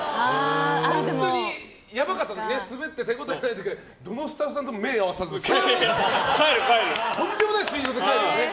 本当にやばかったときスベって、手応えない時はどのスタッフさんとも目もあわさずスーって、とんでもないスピードで帰るよね。